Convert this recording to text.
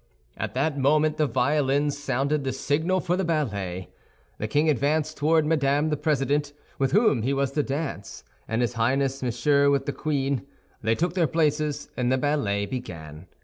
At that moment the violins sounded the signal for the ballet. The king advanced toward Madame the President, with whom he was to dance, and his Highness Monsieur with the queen. They took their places, and the ballet began.